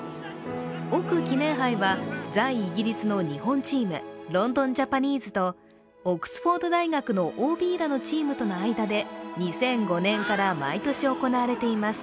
奥記念杯は在イギリスの日本チーム、ロンドン・ジャパニーズとオックスフォード大学のＯＢらのチームとの間で２００５年から毎年行われています。